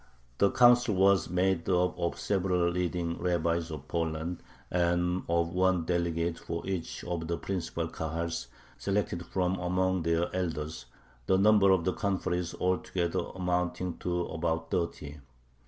The "Council" was made up of several leading rabbis of Poland, and of one delegate for each of the principal Kahals selected from among their elders the number of the conferees altogether amounting to about thirty.